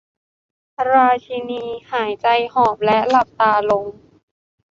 ราชีนีหายใจหอบและหลับตาลง